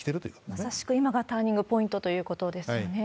まさしく今がターニングポイントということですよね。